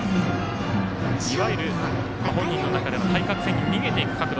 いわゆる本人の中でも対角線に逃げていく角度。